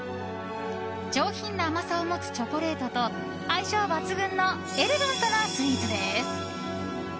上品な甘さを持つチョコレートと相性抜群のエレガントなスイーツです。